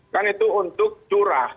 kan itu untuk curah